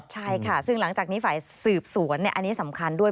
ใช่ค่ะซึ่งหลังจากนี้ฝ่ายสืบสวนอันนี้สำคัญด้วย